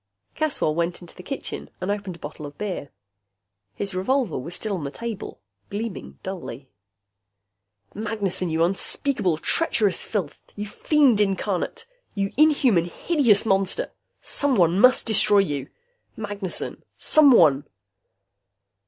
Caswell went into the kitchen and opened a bottle of beer. His revolver was still on the table, gleaming dully. Magnessen! You unspeakable treacherous filth! You fiend incarnate! You inhuman, hideous monster! Someone must destroy you, Magnessen! Someone....